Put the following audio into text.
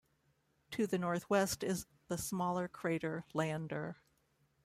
To the northwest is the smaller crater Lander.